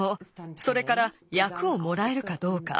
それからやくをもらえるかどうか。